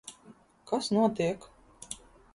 Kas notiek?